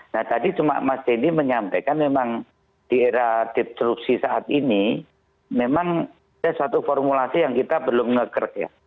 nah tadi cuma mas denny menyampaikan memang di era destruksi saat ini memang ada satu formulasi yang kita belum ngeker ya